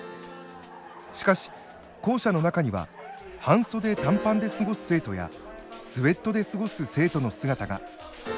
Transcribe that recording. しかし校舎の中には半袖短パンで過ごす生徒やスエットで過ごす生徒の姿が。